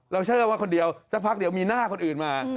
เชื่อว่าคนเดียวสักพักเดียวมีหน้าคนอื่นมา